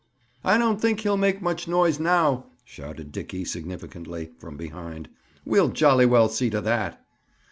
"I don't think he'll make much noise now," shouted Dickie significantly, from behind. "We'll jolly well see to that."